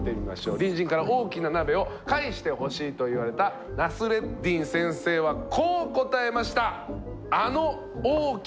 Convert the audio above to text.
隣人から大きな鍋を返してほしいと言われたナスレッディン先生はこう答えました。